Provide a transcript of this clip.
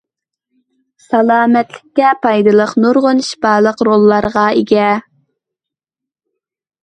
سالامەتلىككە پايدىلىق نۇرغۇن شىپالىق روللارغا ئىگە.